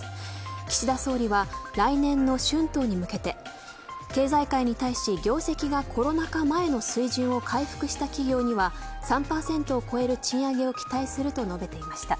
岸田総理は来年の春闘に向けて経済界に対し業績がコロナ禍前の水準を回復したし企業には３％を超える賃上げを期待すると述べていました。